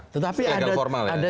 tetapi ada juga masalah